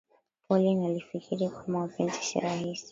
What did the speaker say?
Pauline alifikiri kwamba mapenzi ni rahisi